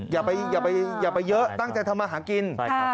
อย่าไปเยอะตั้งใจทำมาหากิน